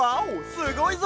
すごいぞ！